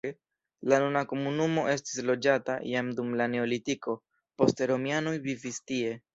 La nuna komunumo estis loĝata jam dum la neolitiko, poste romianoj vivis tie.